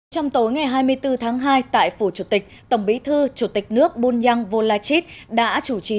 trong tối ngày hai mươi bốn tháng hai tại phủ chủ tịch tổng bí thư chủ tịch nước bunyang volachit đã chủ trì